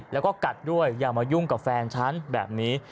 แล้วก็กัดด้วยอย่ามายุ่งกับแฟนฉันแบบนี้